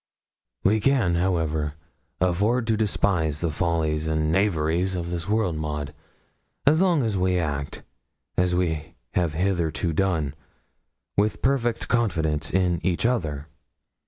'We can, however, afford to despise the follies and knaveries of the world, Maud, as long as we act, as we have hitherto done, with perfect confidence in each other.